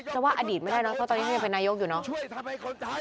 จะว่าอดีตไม่ได้เนอะเพราะตอนนี้เขายังเป็นนายกอยู่เนาะ